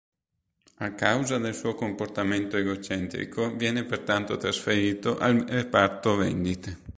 A causa del suo comportamento egocentrico viene pertanto trasferito al reparto vendite.